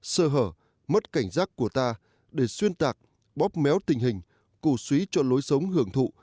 sơ hở mất cảnh giác của ta để xuyên tạc bóp méo tình hình cổ suý cho lối sống hưởng thụ